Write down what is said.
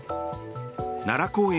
奈良公園